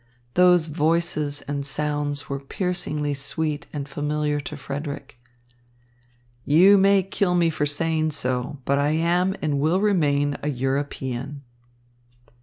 Those voices and sounds were piercingly sweet and familiar to Frederick. "You may kill me for saying so, but I am, and will remain, a European."